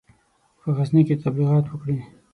په غزني کې تبلیغات وکړي.